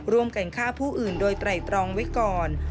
ร่วมกันฆ่าผู้อื่นโดยไตรตรองไว้ก่อน